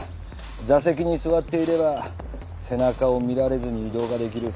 座席に座っていれば背中を見られずに移動ができる。